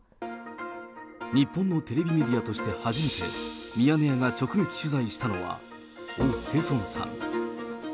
日本のテレビメディアとして初めて、ミヤネ屋が直撃取材したのは、オ・ヘソンさん。